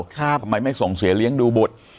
ทำไมไม่ส่งเสวเลี้ยงดูบท